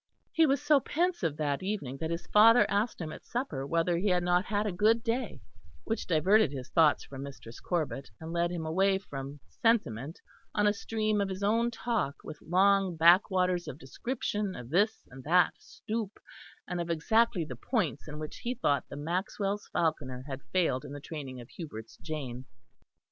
He was so pensive that evening that his father asked him at supper whether he had not had a good day; which diverted his thoughts from Mistress Corbet, and led him away from sentiment on a stream of his own talk with long backwaters of description of this and that stoop, and of exactly the points in which he thought the Maxwells' falconer had failed in the training of Hubert's Jane.